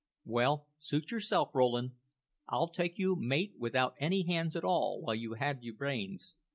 "Well, suit yourself, Rowland; I'll take you mate without any hands at all while you had your brains.